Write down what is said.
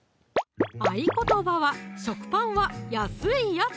合言葉は「食パンは安いやつ」